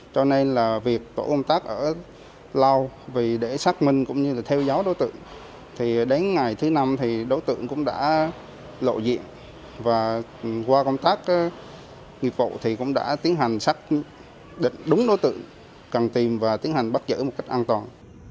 để đúng đối tượng cần tìm và tiến hành bắt chở một cách an toàn